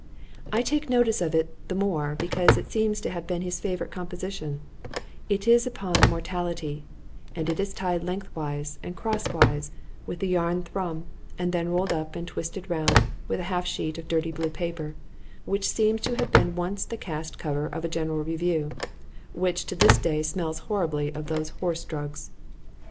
—I take notice of it the more, because it seems to have been his favourite composition——It is upon mortality; and is tied length ways and cross ways with a yarn thrum, and then rolled up and twisted round with a half sheet of dirty blue paper, which seems to have been once the cast cover of a general review, which to this day smells horribly of horse drugs.